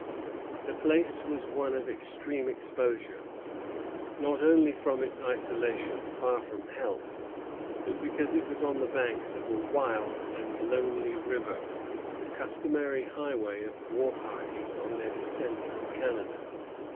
The place was one of extreme exposure, not only from its isolation, far from help, but because it was on the banks of a wild and lonely river, the customary highway of war parties on their descent from Canada.